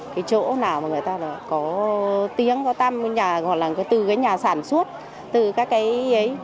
cái chỗ nào mà người ta có tiếng có tâm hoặc là từ cái nhà sản xuất từ các cái ấy